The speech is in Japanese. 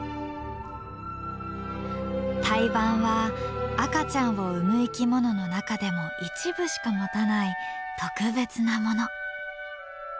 胎盤は赤ちゃんを産む生き物の中でも一部しか持たない特別なもの。